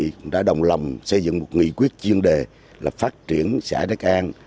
xã đắc an đã đồng lòng xây dựng một nghị quyết chuyên đề là phát triển xã đắc an